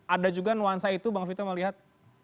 ada juga nuansa itu bang vito mau lihat